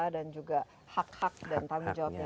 dan juga hak hak dan tanggung jawabnya